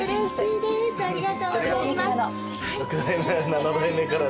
７代目から。